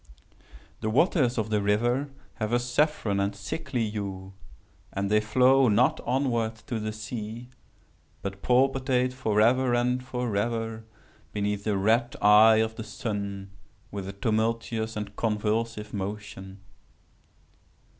"The waters of the river have a saffron and sickly hue; and they flow not onwards to the sea, but palpitate forever and forever beneath the red eye of the sun with a tumultuous and convulsive motion.